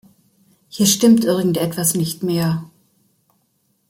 Hier stimmt irgendetwas nicht mehr.